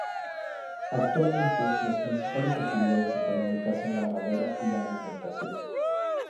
Actualmente, las principales actividades económicas son la madera y la alimentación.